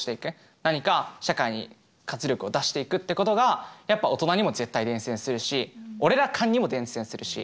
何か社会に活力を出していくってことがやっぱ大人にも絶対伝染するし俺ら間にも伝染するし。